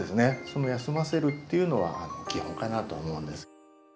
その休ませるっていうのは基本かなと思うんです。